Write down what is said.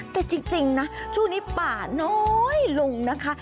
แต่จริงนะช่วงนี้ป่าน้อยลงนะคะ